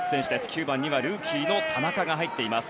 ９番にはルーキーの田中が入っています。